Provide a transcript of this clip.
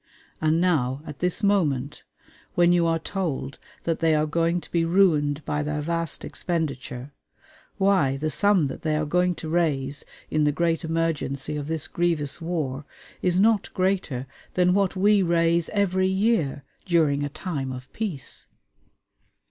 And now, at this moment, when you are told that they are going to be ruined by their vast expenditure, why, the sum that they are going to raise in the great emergency of this grievous war is not greater than what we raise every year during a time of peace.